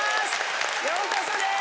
ようこそです！